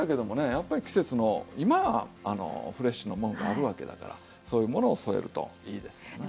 やっぱり季節の今はフレッシュのものがあるわけだからそういうものを添えるといいですよな。